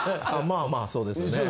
まあまあそうですよね。